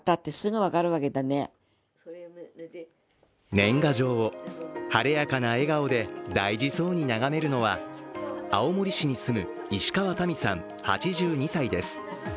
年賀状を晴れやかな笑顔で大事そうに眺めるのは青森市に住む石川タミさん８２歳です。